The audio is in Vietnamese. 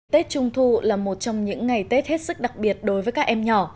tết trung thu là một trong những ngày tết hết sức đặc biệt đối với các em nhỏ